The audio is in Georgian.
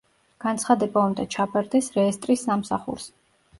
განცხადება უნდა ჩაბარდეს რეესტრის სამსახურს.